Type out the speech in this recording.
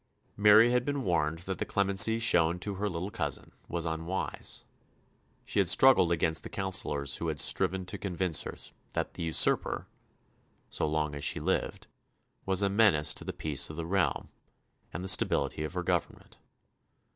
Mary had been warned that the clemency shown to her little cousin was unwise; she had struggled against the counsellors who had striven to convince her that the usurper, so long as she lived, was a menace to the peace of the realm, and the stability of her government.